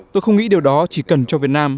tôi không nghĩ điều đó chỉ cần cho việt nam